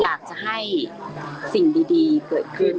อยากจะให้สิ่งดีเกิดขึ้น